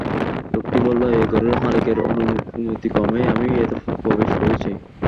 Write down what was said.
লোকটি বলল, এ ঘরের মালিকের অনুমতিক্রমেই আমি এতে প্রবেশ করেছি।